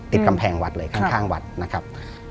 กำแพงวัดเลยข้างวัดนะครับ